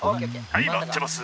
「はい回ってます」。